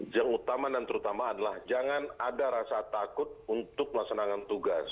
yang utama dan terutama adalah jangan ada rasa takut untuk melaksanakan tugas